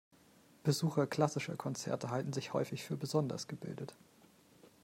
Besucher klassischer Konzerte halten sich häufig für besonders gebildet.